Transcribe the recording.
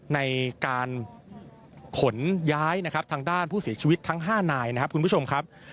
ในการขนย้ายทางด้านผู้เสียชีวิตทั้ง๕นายคุณผู้ชมครับ